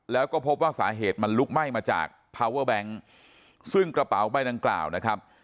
แล้วก็พบว่าสาเหตุมันลุกไหม้มาจากพาวเวอร์แบงค์ซึ่งกระเป๋าใบดังกล่าวนะครับ